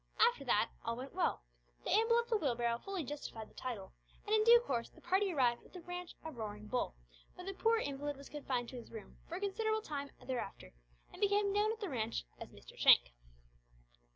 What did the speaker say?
After that all went well; the amble of the Wheelbarrow fully justified the title, and in due course the party arrived at the ranch of Roaring Bull, where the poor invalid was confined to his room for a considerable time thereafter, and became known at the ranch as Mr Shank.